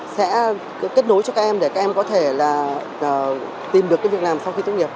sẽ kết nối cho các em để các em có thể là tìm được cái việc làm sau khi tốt nghiệp